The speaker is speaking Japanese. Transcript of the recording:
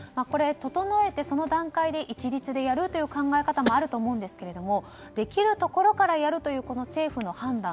整えて、その段階で一律でやるという考え方もあると思いますができるところからやるというこの政府の判断